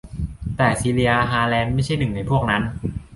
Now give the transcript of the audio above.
แต่ซีเลีย ฮาร์แลนด์ไม่ใช่หนึ่งในพวกนั้น